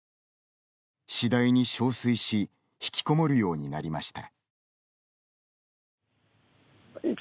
次第にしょうすいしひきこもるようになりました。